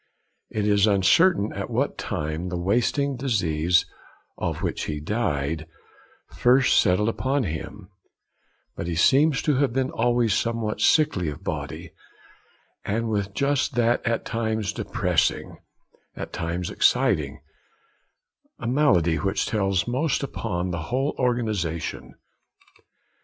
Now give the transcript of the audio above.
It is uncertain at what time the wasting disease, of which he died, first settled upon him; but he seems to have been always somewhat sickly of body, and with just that at times depressing, at times exciting, malady which tells most upon the whole organisation.